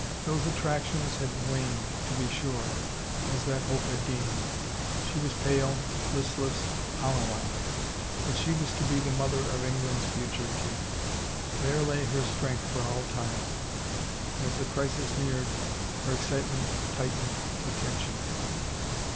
Those attractions had waned, to be sure, as that hope had gained ; she was pale, listless, hollow eyed. But she was to be the mother of England's future king. There lay her strength for all time. And as the crisis neared her excitement tight ened to tension.